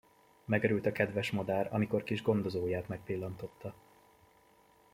Megörült a kedves madár, amikor kis gondozóját megpillantotta.